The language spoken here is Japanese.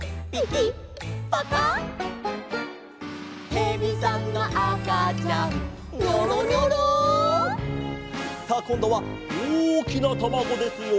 「へびさんのあかちゃん」「ニョロニョロ」さあこんどはおおきなたまごですよ！